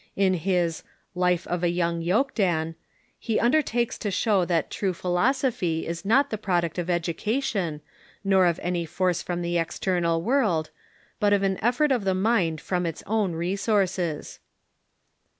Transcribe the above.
In his " Life of a Young Yokdan " he undertakes to show that true philosophy is not the product of education, or of any force from the external world, but of an effort of the mind from its own resources.